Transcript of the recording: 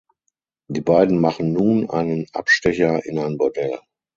Die beiden machen nun einen Abstecher in ein Bordell.